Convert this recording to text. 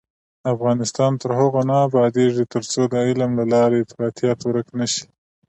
افغانستان تر هغو نه ابادیږي، ترڅو د علم له لارې افراطیت ورک نشي.